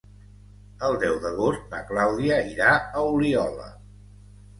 El deu d'agost na Clàudia irà a Oliola.